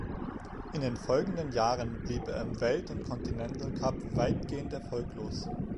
In den folgenden Jahren blieb er im Welt- und Continental Cup weitgehend erfolglos.